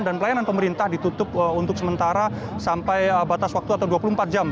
dan pelayanan pemerintah ditutup untuk sementara sampai batas waktu atau dua puluh empat jam